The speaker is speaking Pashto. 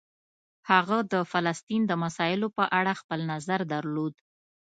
هغه د فلسطین د مسایلو په اړه خپل نظر درلود.